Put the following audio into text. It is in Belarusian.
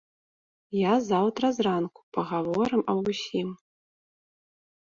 Я заўтра зранку, пагаворым аб усім.